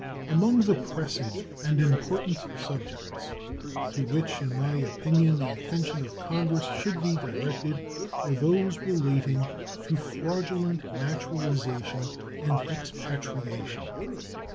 Among the pressing and important subjects to which, in my opinion, the attention of Congress should be directed are those relating to fraudulent naturalization and expatriation.